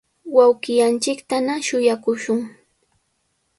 wawqillanchiktana shuyaakushun.